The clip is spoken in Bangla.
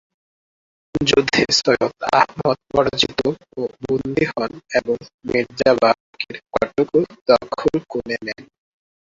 যুদ্ধে সৈয়দ আহমদ পরাজিত ও বন্দি হন এবং মির্জা বাকের কটক দখল করে নেন।